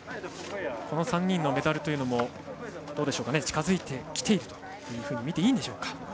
この３人のメダルというのも近づいてきているとみていいんでしょうか。